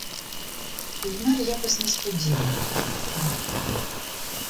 І вмер якось несподівано, раптом.